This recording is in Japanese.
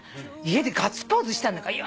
家でガッツポーズしたんだから。